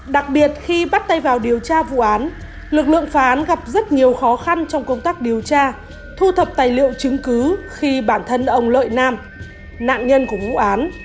đặc biệt khi bắt tay vào điều tra vụ án lực lượng phá án gặp rất nhiều khó khăn trong công tác điều tra thu thập tài liệu chứng cứ khi bản thân ông lợi nam nạn nhân của vụ án